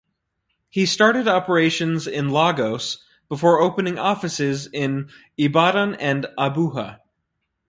He started operations in Lagos before opening offices in Ibadan and Abuja.